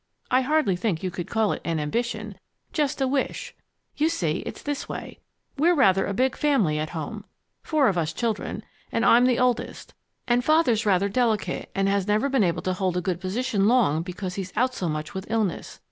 I hardly think you could call it an ambition just a wish. You see, it's this way. We're rather a big family at home, four of us children, and I'm the oldest; and Father's rather delicate and has never been able to hold a good position long because he's out so much with illness.